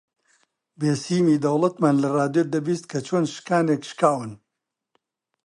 بێسیمی دەوڵەتمان لە ڕادیۆ دەبیست کە چۆن شکانێک شکاون